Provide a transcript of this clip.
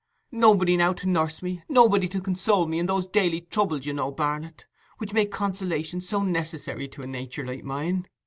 Nobody now to nurse me—nobody to console me in those daily troubles, you know, Barnet, which make consolation so necessary to a nature like mine.